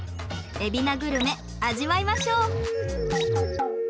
海老名グルメ味わいましょう。